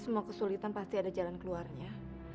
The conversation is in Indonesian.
semua kesulitan pasti ada jalan keluarnya